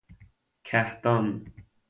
کهدان